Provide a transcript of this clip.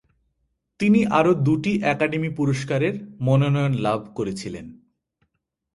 তিনি আরও দুটি একাডেমি পুরস্কারের মনোনয়ন লাভ করেছিলেন।